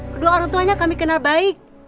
kedua orang tuanya kami kenal baik